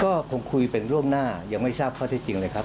ก็คงคุยเป็นล่วงหน้ายังไม่ทราบข้อเท็จจริงเลยครับ